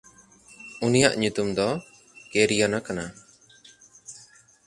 ᱩᱱᱤᱭᱟᱜ ᱧᱩᱛᱩᱢ ᱫᱚ ᱠᱮᱨᱤᱭᱟᱱᱟ ᱠᱟᱱᱟ᱾